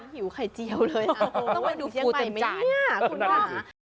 หิวไข่เจียวเลยต้องไปดูฟูเติมจาน